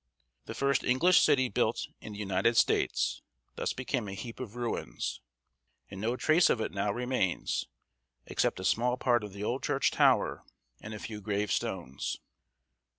The first English city built in the United States thus became a heap of ruins, and no trace of it now remains, except a small part of the old church tower and a few gravestones.